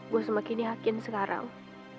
saya semakin yakin sekarang